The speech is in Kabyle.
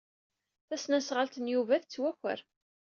Tasnasɣalt n Yuba tettwaker.